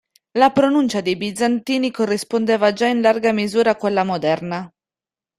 La pronuncia dei bizantini corrispondeva già in larga misura a quella moderna.